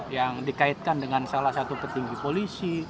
yang dikaitkan dengan salah satu petinggi polisi